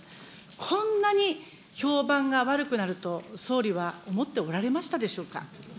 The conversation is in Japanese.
こんなに評判が悪くなると総理は思っておられましたでしょうか。